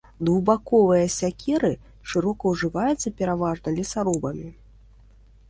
Двухбаковыя сякеры шырока ўжываюцца пераважна лесарубамі.